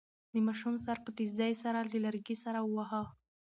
د ماشوم سر په تېزۍ سره له لرګي سره وواهه.